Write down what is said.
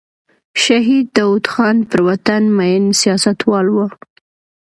شهید داود خان پر وطن مین سیاستوال و.